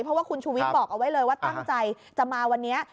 เพราะว่าคุณชูวิทย์บอกเอาไว้เลยว่าตั้งใจจะมาวันนี้